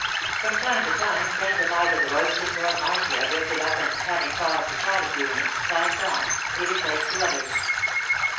From time to time friends of either the Roystons or Marcia drifted up and, having paused to chat a few minutes, passed on, giving place to others.